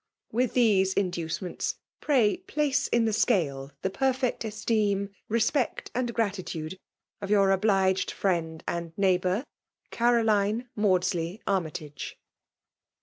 With these in dncemetfts, pray place in the scale the perf^M:" esteem, respect, and gratitude of your obliged^ firiendand neighbour, "Caroline Maudsley Armytaok.'